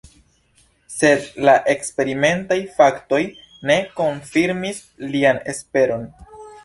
Sed la eksperimentaj faktoj ne konfirmis lian esperon.